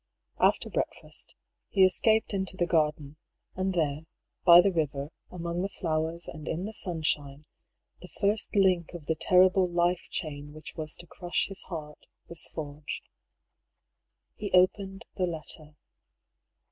After breakfast, he escaped into the garden ; and there, by the river, among the iBiowers and in the sunshine, the first link of the terrible life chain which was to crush his heart was forged. He opened the letter.